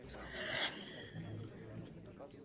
El período de floración es entre julio y agosto.